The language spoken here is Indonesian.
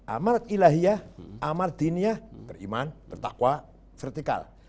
amanat ilahiyah amanat diniyah beriman bertakwa vertikal